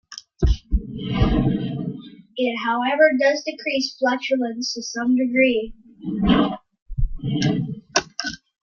It however does increase flatulence to some degree.